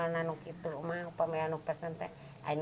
pada saat itu ada yang mengatakan